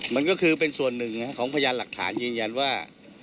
มันก็คือเป็นส่วนหนึ่งของพยานหลักฐานยืนยันว่า